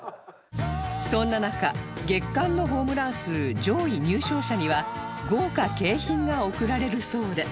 そんな中月間のホームラン数上位入賞者には豪華景品が贈られるそうで